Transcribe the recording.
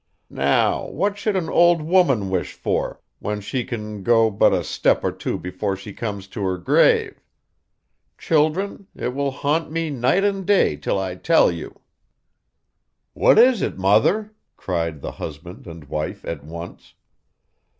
Now what should an old woman wish for, when she can go but a step or two before she comes to her grave? Children, it will haunt me night and day till I tell you.' 'What is it, mother?' cried the husband and wife at once.